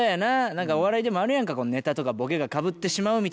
何かお笑いでもあるやんかネタとかボケがかぶってしまうみたいなことがね。